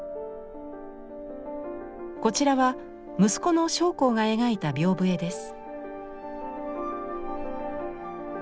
こちらは息子の松篁が描いた屏風絵です。